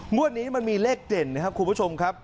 งวดนี้มันมีเลขเด่นนะครับคุณผู้ชมครับ